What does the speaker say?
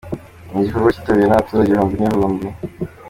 Ni igikorwa cyitabiriwe n'abaturage ibihumbi n'ibihumbi.